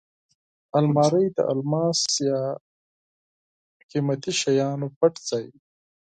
الماري د الماس یا قېمتي شیانو پټ ځای وي